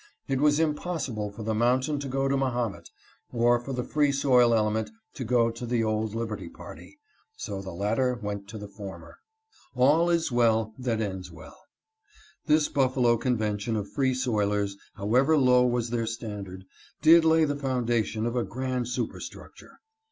It was impossible for the mountain to go to Mahomet, or for the Free Soil element to go to the old Liberty party; so the latter went to the former. "All is well that ends well." This Buffalo convention of free soilers, however low was their standard, did lay the foundation of a grand superstructure.